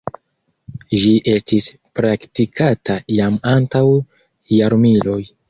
Ĝi estis praktikata jam antaŭ jarmiloj.